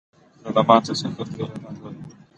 زه له ماتو څخه بېره نه لرم.